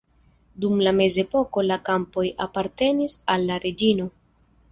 Dum la mezepoko la kampoj apartenis al la reĝino.